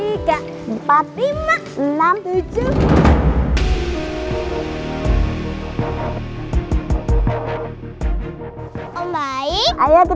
aku yang minta yang jaga boleh ya ya ya